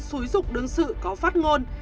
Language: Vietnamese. xúi dục đương sự có phát ngôn